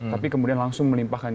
tapi kemudian langsung melimpahkan